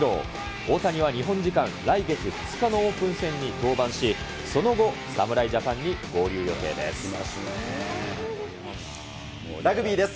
大谷は日本時間来月２日のオープン戦に登板し、その後、侍ジャパラグビーです。